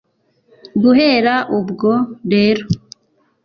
Guhera ubwo rero